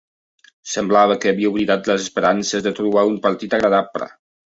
Semblava que havia oblidat les esperances de trobar un partit agradable.